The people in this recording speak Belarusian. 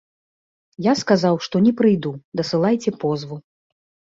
Я сказаў, што не прыйду, дасылайце позву.